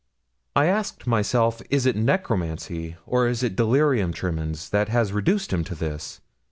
I asked myself, is it necromancy, or is it delirium tremens that has reduced him to this?